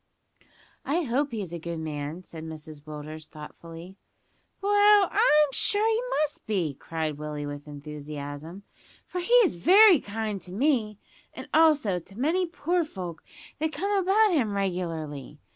"I hope he's a good man," said Mrs Willders thoughtfully. "Well, I'm sure he must be!" cried Willie with enthusiasm, "for he is very kind to me, and also to many poor folk that come about him regularly.